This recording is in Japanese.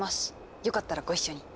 よかったらご一緒に。